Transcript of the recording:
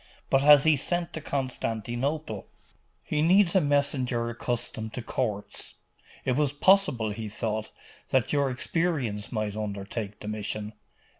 But has he sent to Constantinople?' 'He needs a messenger accustomed to courts. It was possible, he thought, that your experience might undertake the mission.